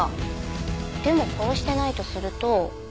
でも殺してないとすると。